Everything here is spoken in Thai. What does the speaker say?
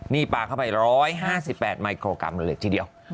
นี่ปลาเข้าไป๑๕๘มิโครกรัมเลยทีเดียว